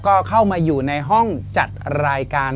ก็เข้ามาอยู่ในห้องจัดรายการ